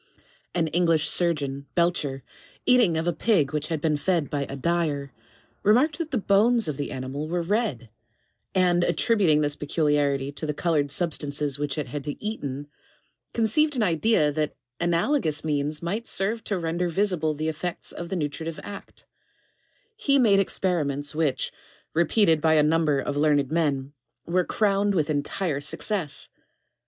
An English surgeon, Belcher, eating of a pig which had been fed by a dyer, remarked that the bones of the animal were red, and attributing this peculiarity to the colored sub stances which it had eaten, conceived an idea that analogous means might serve to render visible the effects of the nutritive act ; he made experiments which, repeated by a number of learned men, were crowned with entire success.